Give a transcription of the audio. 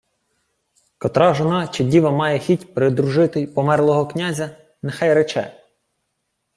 — Котра жона чи діва має хіть придружити померлого князя, нехай рече.